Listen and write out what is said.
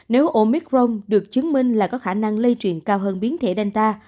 nếu omicron được chứng minh là có khả năng lây truyền cao hơn biến thể danta